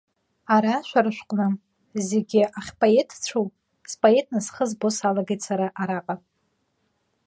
Ара, шәара шәҟны, зегьы ахьпоетцәоу споетны схы збо салагеит сара араҟа.